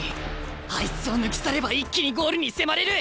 あいつを抜き去れば一気にゴールに迫れる！